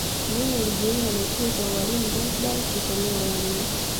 mwinyi alijiunga na chuo cha ualimu zanzibar kusomea ualimu